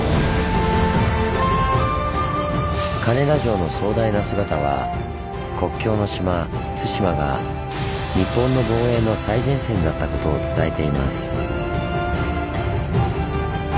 金田城の壮大な姿は国境の島・対馬が日本の防衛の最前線だったことを伝えています。